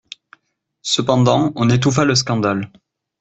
Cependant, on étouffa le scandale.